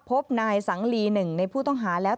พบนายสังลีหนึ่งในผู้ต้องหาแล้ว